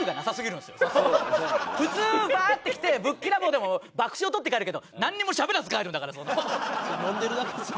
普通バーッて来てぶっきらぼうでも爆笑とって帰るけどなんにもしゃべらず帰るんだから。